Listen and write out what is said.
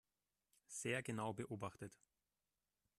Sehr genau beobachtet.